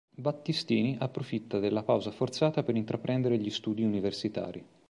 Battistini approfitta della pausa forzata per intraprendere gli studi universitari.